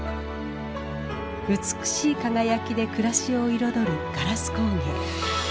美しい輝きで暮らしを彩るガラス工芸。